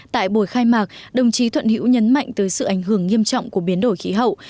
tại buổi khai mạc đồng chí thuận hữu nhấn mạnh tới sự ảnh hưởng nghiêm trọng của biến đổi khí hậu